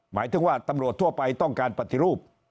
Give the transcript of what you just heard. หมายถึงว่าตำรวจทั่วไปต้องการปฏิรูป